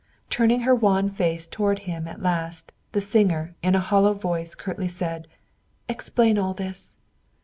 Turning her wan face toward him at last, the singer, in a hollow voice, curtly said, "Explain all this!"